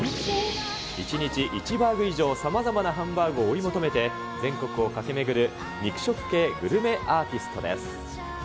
１日１バーグ以上さまざまなハンバーグを追い求めて、全国を駆け巡る、肉食系グルメアーティストです。